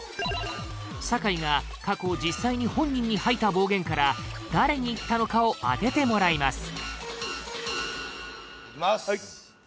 坂井が過去実際に本人に吐いた暴言から誰に言ったのかを当ててもらいますじゃいきます